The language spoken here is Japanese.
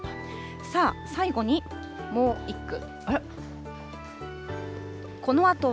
さあ、最後にもう一句。